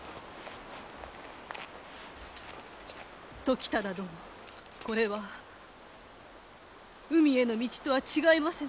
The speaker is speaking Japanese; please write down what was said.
・時忠殿これは海への道とは違いませぬか？